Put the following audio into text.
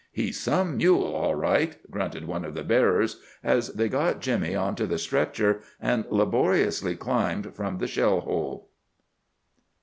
"He's some mule, all right," grunted one of the bearers, as they got Jimmy on to the stretcher and laboriously climbed from the shell hole.